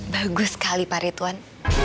bagus sekali pak ridwan